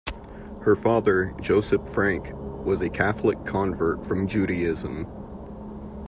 Her father, Josip Frank, was a Catholic convert from Judaism.